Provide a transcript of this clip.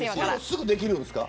すぐにできるんですか。